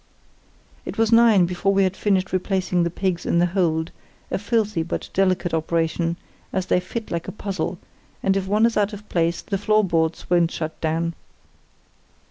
"It was nine before we had finished replacing the pigs in the hold, a filthy but delicate operation, as they fit like a puzzle, and if one is out of place the floor boards won't shut down.